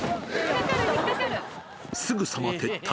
すぐさま撤退。